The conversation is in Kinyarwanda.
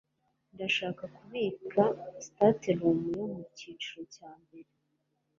Ndashaka kubika stateroom yo mucyiciro cya mbere.